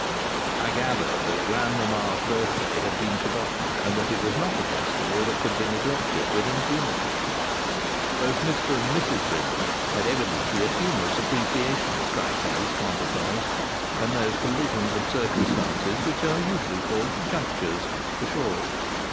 I gathered that grandmamma's birthday had been forgotten and that it was not a festival that could be neglected with impunity. Both Mr and Mrs Brindley had evidently a humorous appreciation of crises, contretemps, and those collisions of circumstances which are usually called "junctures" for short.